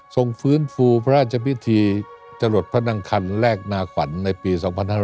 ฟื้นฟูพระราชพิธีจรดพระนางคันแรกนาขวัญในปี๒๕๕๙